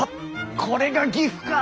これが岐阜か！